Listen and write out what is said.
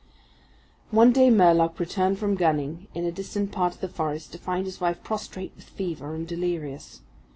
One day Murlock returned from gunning in a distant part of the forest to find his wife prostrate with fever, and delirious.